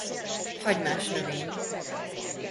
Hagymás növény.